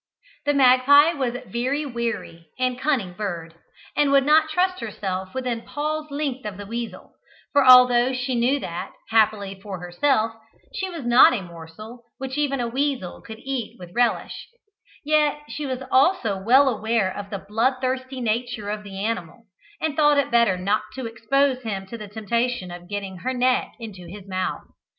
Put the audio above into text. The magpie was a very wary and cunning bird, and would not trust herself within paws' length of the weasel, for although she knew that, happily for herself, she was not a morsel which even a weasel could eat with relish, yet she was also well aware of the bloodthirsty nature of the animal, and thought it better not to expose him to the temptation of getting her neck into his mouth.